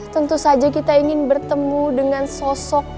tentu saja kita ingin bertemu dengan sosok